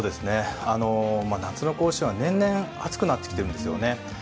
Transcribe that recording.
夏の甲子園は、年々暑くなってきてるんですよね。